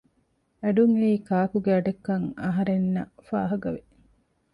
އަޑުން އެއީ ކާކުގެ އަޑެއްކަން އަހަރެންނަށް ފާހަގަވި